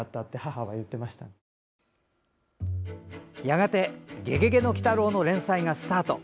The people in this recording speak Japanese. やがて「ゲゲゲの鬼太郎」の連載がスタート。